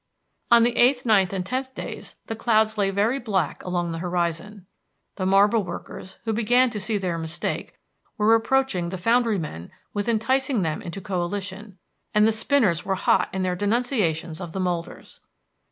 On the eighth, ninth, and tenth days the clouds lay very black along the horizon. The marble workers, who began to see their mistake, were reproaching the foundry men with enticing them into a coalition, and the spinners were hot in their denunciations of the molders.